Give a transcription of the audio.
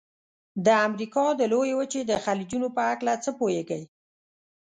د امریکا د لویې وچې د خلیجونو په هلکه څه پوهیږئ؟